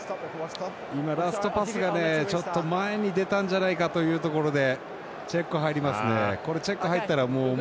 今、ラストパスがちょっと前に出たんじゃないかというところでチェックは入りますね。